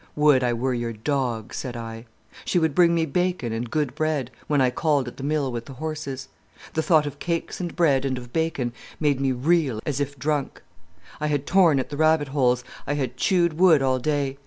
"'Would I were your dog,' said I. She would bring me bacon and good bread, when I called at the mill with the horses. The thought of cakes of bread and of bacon made me reel as if drunk. I had torn at the rabbit holes, I had chewed wood all day.